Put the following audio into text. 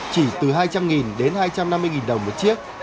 chỉ từ hai trăm linh đến hai trăm năm mươi đồng một chiếc